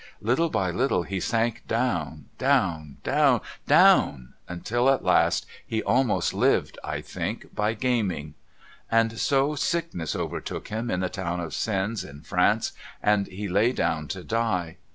Ijttle by little he sank down, down, down, down, mitil at last he almost lived (I think) by gaming. And so sickness overtook him in the town of Sens in France, and he lay down to die.